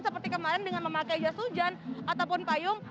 seperti kemarin dengan memakai jas hujan ataupun payung